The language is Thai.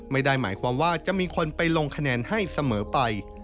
ไม่ได้หมายความว่าจะมีคนไปลงคะแนนให้เสมอไป